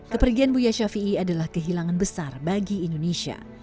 kepergian buya shafi'i adalah kehilangan besar bagi indonesia